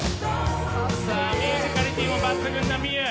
さあミュージカリティーも抜群なＭｉＹＵ。